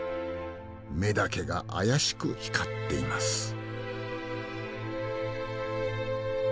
目だけが妖しく光っています。